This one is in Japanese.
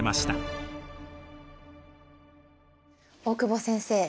大久保先生